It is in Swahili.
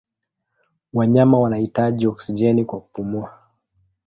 Wanyama wanahitaji oksijeni kwa kupumua.